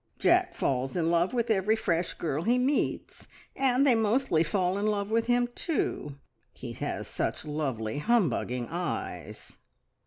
Jack falls in love with every fresh girl he meets, and they mostly fall in love with him too. He has such lovely humbugging eyes!"